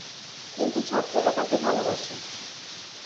কিন্তু ছাত্ররা তাকে ভালোবাসে।